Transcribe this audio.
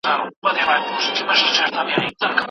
د آدم خان د ربابي اوښکو مزل نه یمه